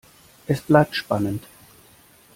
Es bleibt spannend.